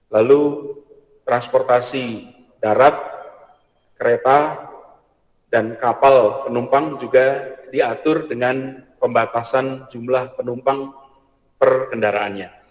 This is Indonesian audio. lalu transportasi darat kereta dan kapal penumpang juga diatur dengan pembatasan jumlah penumpang per kendaraannya